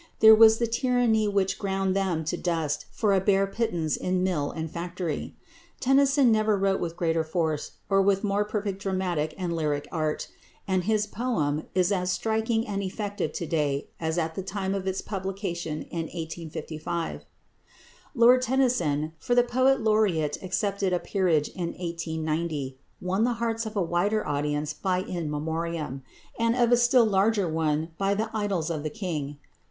There was the tyranny which ground them to dust for a bare pittance in mill and factory. Tennyson never wrote with greater force or with more perfect dramatic and lyric art, and his poem is as striking and effective to day as at the time of its publication in 1855. Lord Tennyson for the Poet Laureate accepted a peerage in 1890 won the hearts of a wider audience by "In Memoriam," and of a still larger one by "The Idylls of the King."